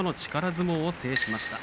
相撲を制しました。